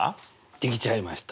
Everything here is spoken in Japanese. できちゃいました。